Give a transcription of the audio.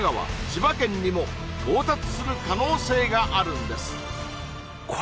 千葉県にも到達する可能性があるんです